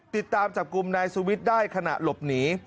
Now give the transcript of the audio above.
ติดตามจับกลุ่มนายสุวิทย์ได้ขณะหลบหนี